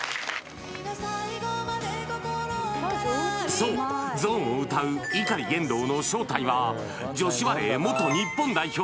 そうＺＯＮＥを歌う碇ゲンドウの正体は女子バレー元日本代表